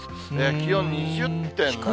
気温２０．７度。